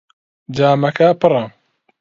جامەکە پڕە.